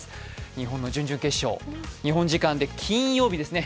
日本の準々決勝、日本時間で金曜日ですね。